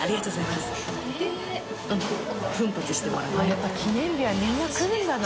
やっぱ記念日はみんな来るんだな。